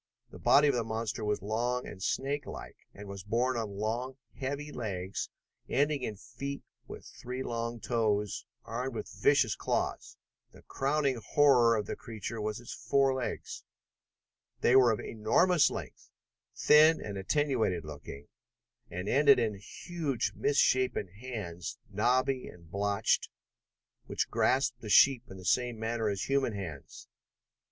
The body of the monster was long and snakelike, and was borne on long, heavy legs ending in feet with three long toes, armed with vicious claws. The crowning horror of the creature was its forelegs. There were of enormous length, thin and attenuated looking, and ended in huge misshapen hands, knobby and blotched, which grasped the sheep in the same manner as human hands.